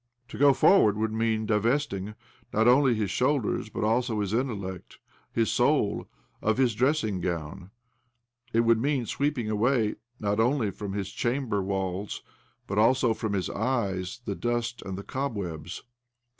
To go forward would mean divesting, not only his shoulders, but also his intellect, his soul, of his dressing gown ; it would mean sweeping away, not only from his chamber walls, but also from his eyes, the dust and the cobwebs.